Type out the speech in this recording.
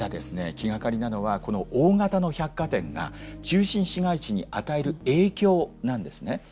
気がかりなのはこの大型の百貨店が中心市街地に与える影響なんですね。